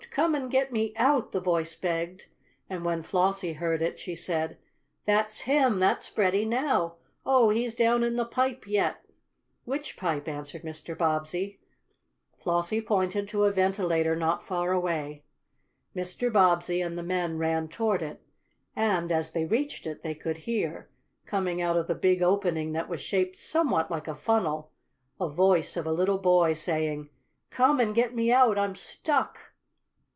Come and get me out!" the voice begged, and when Flossie heard it she said: "That's him! That's Freddie now. Oh, he's down in the pipe yet!" "Which pipe?" asked Mr. Bobbsey. Flossie pointed to a ventilator not far away. Mr. Bobbsey and the men ran toward it, and, as they reached it, they could hear, coming out of the big opening that was shaped somewhat like a funnel, a voice of a little boy, saying: "Come and get me out! I'm stuck!"